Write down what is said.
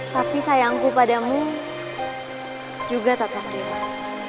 tapi sayangku padamu juga tak terdapat